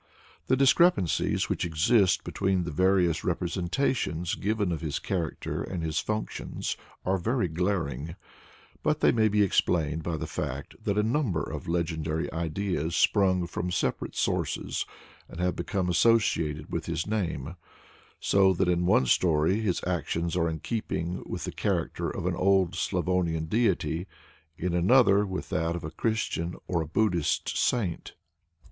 The discrepancies which exist between the various representations given of his character and his functions are very glaring, but they may be explained by the fact that a number of legendary ideas sprung from separate sources have become associated with his name; so that in one story his actions are in keeping with the character of an old Slavonian deity, in another, with that of a Christian or a Buddhist saint.